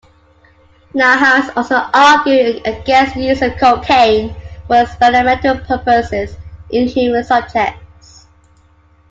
Nahas also argued against the use of cocaine for experimental purposes in human subjects.